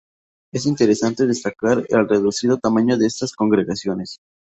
Es interesante destacar el reducido tamaño de estas congregaciones.